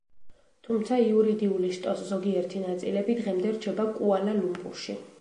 თუმცა, იურიდიული შტოს ზოგიერთი ნაწილები დღემდე რჩება კუალა-ლუმპურში.